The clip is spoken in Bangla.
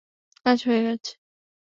কাজ হয়ে গেছে।